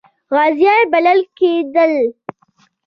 غازیان بلل کېدل.